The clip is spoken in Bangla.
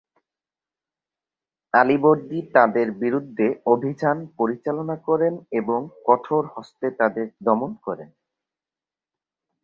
আলীবর্দী তাদের বিরুদ্ধে অভিযান পরিচালনা করেন এবং কঠোর হস্তে তাদের দমন করেন।